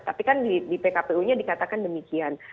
tapi kan di pkpu nya dikatakan demikian